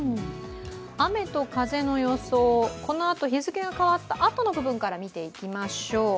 雨と風の予想、このあと日付が変わったあとから見ていきましょう。